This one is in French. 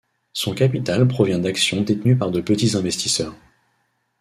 Son capital provient d'actions détenues par de petit investisseurs.